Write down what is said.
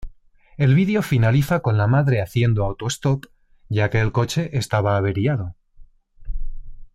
El vídeo finaliza con la madre haciendo autostop ya que el coche estaba averiado.